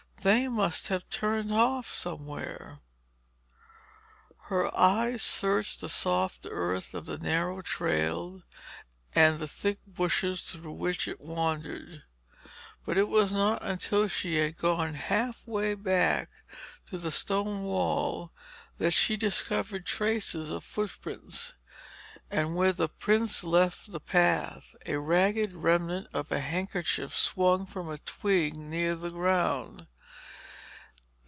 "They must have turned off somewhere." Her eyes searched the soft earth of the narrow trail and the thick bushes through which it wandered. But it was not until she had gone half way back to the stone wall that she discovered traces of footprints. And where the prints left the path, a ragged remnant of a handkerchief swung from a twig near the ground.